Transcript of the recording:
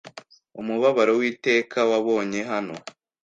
Umubabaro w'iteka wabonye hano